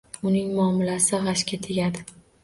Uning muomalasi g‘ashga tegadi.